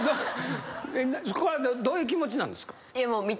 これどういう気持ちなんですか？